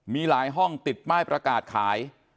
มีหลายห้องติดป้ายประกาศขาย